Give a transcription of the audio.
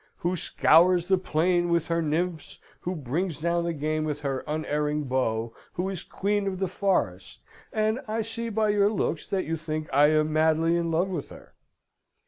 " Who scours the plain with her nymphs, who brings down the game with her unerring bow, who is queen of the forest and I see by your looks that you think I am madly in love with her?"